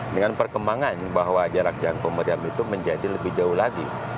dengan perkembangan bahwa jarak jangkau meriam itu menjadi lebih jauh lagi